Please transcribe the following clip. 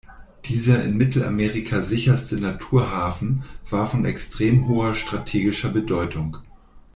Dieser in Mittelamerika sicherste Naturhafen war von extrem hoher strategischer Bedeutung.